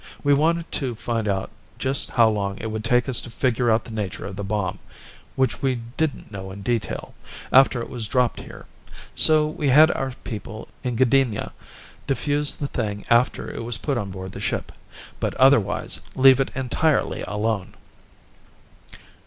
We wanted to find out just how long it would take us to figure out the nature of the bomb which we didn't know in detail after it was dropped here. So we had our people in Gdynia defuse the thing after it was put on board the ship, but otherwise leave it entirely alone.